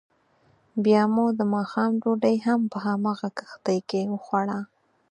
بیا مو دماښام ډوډۍ هم په همغه کښتۍ کې وخوړه.